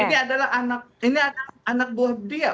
ini adalah anak buah dia